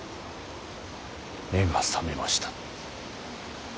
目が覚めました。